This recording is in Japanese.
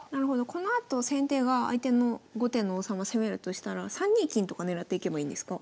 このあと先手が相手の後手の王様攻めるとしたら３二金とか狙っていけばいいんですか？